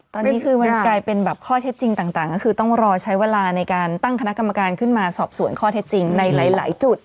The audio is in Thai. ตอนนี้คือมันกลายเป็นแบบข้อเท็จจริงต่างก็คือต้องรอใช้เวลาในการตั้งคณะกรรมการขึ้นมาสอบสวนข้อเท็จจริงในหลายจุด